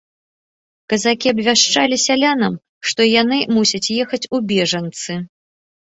Казакі абвяшчалі сялянам, што яны мусяць ехаць у бежанцы.